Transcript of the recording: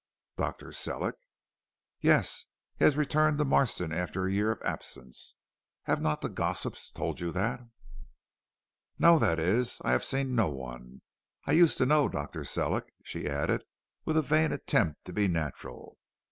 "Dr. Sellick?" "Yes, he has returned to Marston after a year of absence. Have not the gossips told you that?" "No; that is, I have seen no one I used to know Dr. Sellick," she added with a vain attempt to be natural.